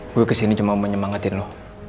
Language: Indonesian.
gue kesini cuma mau nyemangatin lo